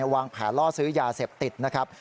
วางแผนล่อซื้อยาเสพติดนะครับ